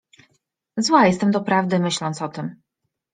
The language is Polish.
Zła jestem doprawdy, myśląc o tym.